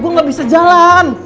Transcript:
gua gak bisa jalan